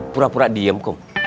pura pura diam kum